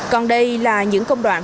còn đây là những công đoạn